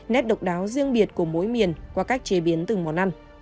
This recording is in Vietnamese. nét độc đáo riêng biệt của mỗi miền qua cách chế biến từng món ăn